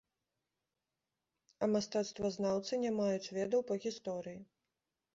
А мастацтвазнаўцы не маюць ведаў па гісторыі.